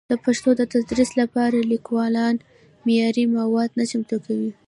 د پښتو د تدریس لپاره لیکوالان معیاري مواد نه چمتو کوي.